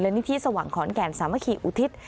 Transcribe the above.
และนิทธิสวังขอนแก่นสามะขี่อุทิศ